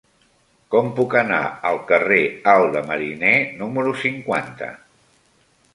Com puc anar al carrer Alt de Mariner número cinquanta?